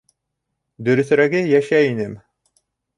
Дөрөҫөрәге, йәшәй инем...